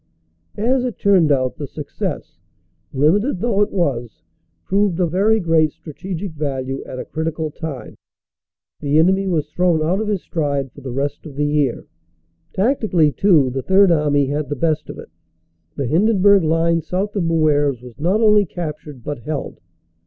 As it turned out, the success, limited though it was, proved of very great strategic value at a critical time. The enemy was thrown out of his stride for the rest of the year. Tactically, too, the Third Army had the best of it. The Hindenburg line south of Moeuvres was not only captured but held.